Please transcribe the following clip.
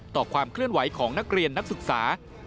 ต่อความเคลื่อนไหวของนักเรียนนักศึกษา